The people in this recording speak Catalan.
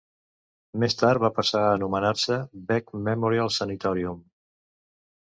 Més tard va passar a anomenar-se Beck Memorial Sanitorium.